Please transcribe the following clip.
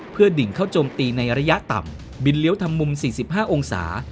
เพื่อดิ่งเข้าโจมตีในระยะต่ำบินเลี้ยวทำมุม๔๕องศา